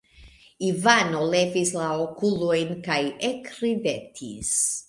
Ivano levis la okulojn kaj ekridetis.